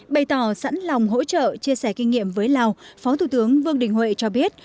bày tỏ sẵn lòng hỗ trợ chia sẻ kinh nghiệm với lào phó thủ tướng vương đình huệ cho biết